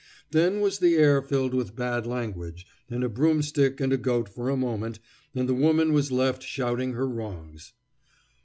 Then was the air filled with bad language and a broomstick and a goat for a moment, and the woman was left shouting her wrongs.